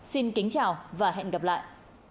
xin kính chào và hẹn gặp lại